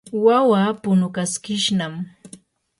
wawaa punukaskishnam.